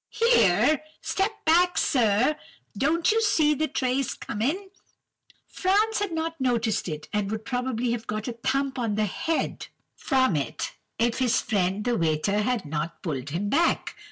Here!—step back, sir! don't you see the tray coming?' "Franz had not noticed it, and would probably have got a thump on the head from it, if his friend the waiter had not pulled him back.